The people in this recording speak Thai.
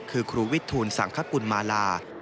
คือครูวิทูลสังคกุลมาลา